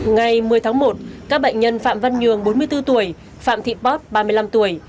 ngày một mươi tháng một các bệnh nhân phạm văn nhường bốn mươi bốn tuổi phạm thị pop ba mươi năm tuổi